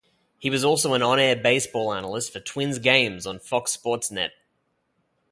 He was also an on-air baseball analyst for Twins' games on Fox Sports Net.